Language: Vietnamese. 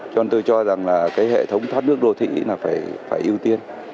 cho nên tôi cho rằng là cái hệ thống thoát nước đô thị là phải ưu tiên